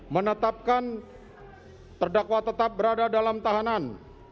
menetapkan terdakwa tetap berada dalam tahanan